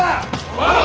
おう！